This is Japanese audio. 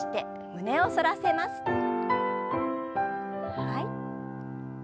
はい。